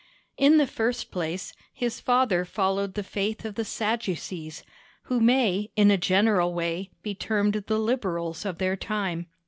In the first place, his father followed the faith of the Sadducees, who may, in a general way, be termed the Liberals of their time.